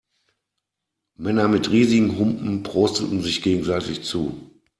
Männer mit riesigen Humpen prosteten sich gegenseitig zu.